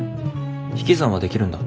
引き算はできるんだ。